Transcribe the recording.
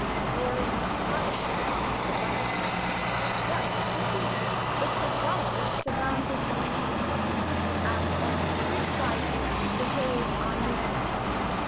We are in the highest part of the valley here but, you see, it's a valley surrounded by hills; and on three sides the hills are near us.